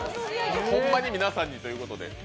ホンマに皆さんにということで。